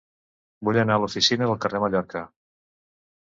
Vull anar a l'oficina del Carrer Mallorca.